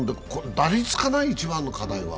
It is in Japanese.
打率かな、一番の課題は？